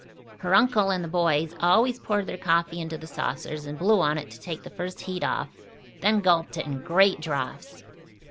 Her uncle and the boys always poured their coffee into the saucers and blew on it to take the first heat off, then gulped it in great draughts.